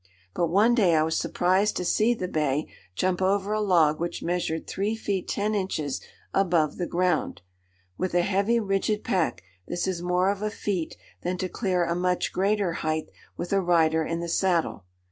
But one day I was surprised to see the Bay jump over a log which measured 3 feet 10 inches above the ground. With a heavy, rigid pack this is more of a feat than to clear a much greater height with a rider in the saddle.